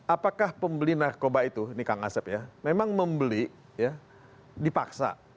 apakah pembeli narkoba itu ini kang asep ya memang membeli ya dipaksa